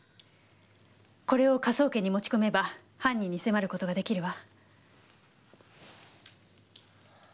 これを科捜研に持ち込めば犯人に迫る事が出来るわ。